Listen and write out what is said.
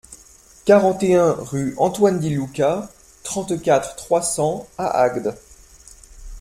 quarante et un rue Antoine Di-Luca, trente-quatre, trois cents à Agde